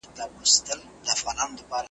وخت ته خو معلومه ده چي زور د بګړۍ څه وايی .